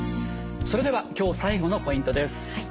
それでは今日最後のポイントです。